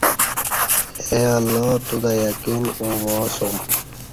اے اللہ توتہ یقین اوں وا اسوم